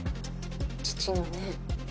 父のね。